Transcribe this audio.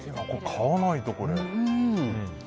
買わないと、これ。